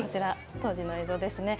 当時の映像ですね。